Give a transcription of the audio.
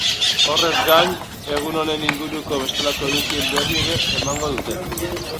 Horrez gain, egun honen inguruko bestelako edukien berri ere emango dute.